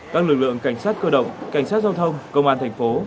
các lực lượng cảnh sát cơ động cảnh sát giao thông công an thành phố